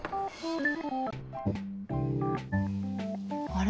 あれ？